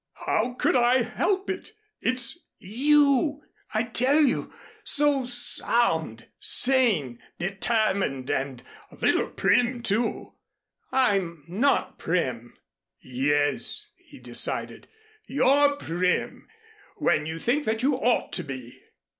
"How could I help it? It's you, I tell you so sound, sane, determined and a little prim, too." "I'm not prim." "Yes," he decided, "you're prim when you think that you ought to be."